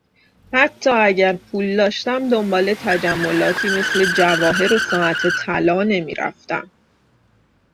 حتی اگر پول داشتم دنبال تجملاتی مثل جواهر و ساعت طلا نمیرفتم.